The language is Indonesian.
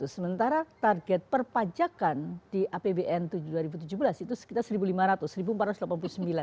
sementara target perpajakan di apbn dua ribu tujuh belas itu sekitar rp satu lima ratus empat ratus delapan puluh sembilan